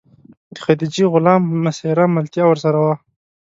د خدیجې غلام میسره ملتیا ورسره وه.